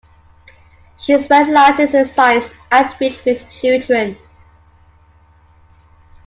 She specialises in science outreach with children.